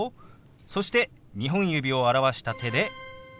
そして２本指を表した手で「１」。